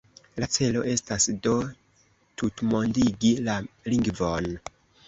La celo estas do tutmondigi la lingvon.